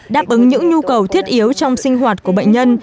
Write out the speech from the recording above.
đáp ứng những nhu cầu thiết yếu trong sinh hoạt của bệnh nhân